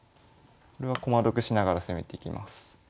これは駒得しながら攻めていきます。